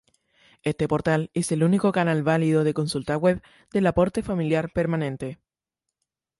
Este portal es el único canal válido de consulta web del Aporte Familiar Permanente.